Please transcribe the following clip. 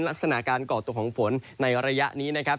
ลักษณะการก่อตัวของฝนในระยะนี้นะครับ